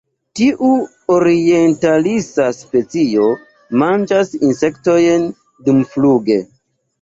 Tiu orientalisa specio manĝas insektojn dumfluge.